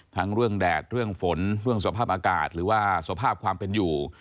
ทั้งเรื่องแดดเรื่องฝนเรื่องสภาพอากาศหรือว่าสภาพความเป็นอยู่